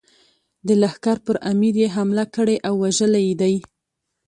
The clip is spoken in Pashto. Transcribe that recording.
د لښکر پر امیر یې حمله کړې او وژلی دی.